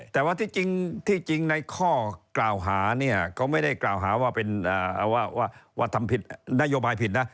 แต่ว่าที่จริงในข้อกล่าวหาเนี่ยก็ไม่ได้กล่าวหาว่าทำผิดนโยบายผิดนะ